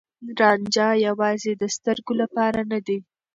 رانجه يوازې د سترګو لپاره نه دی.